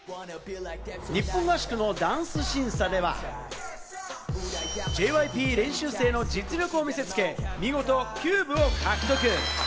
日本合宿のダンス審査ではＪＹＰ練習生の実力を見せつけ、見事キューブを獲得！